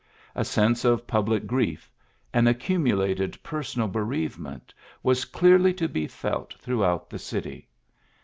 A sense of public grief, an accumulated personal bereave ment, was clearly to be felt throughout the city.